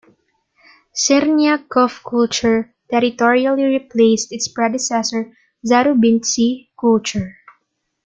Chernyakhov culture territorially replaced its predecessor Zarubintsy culture.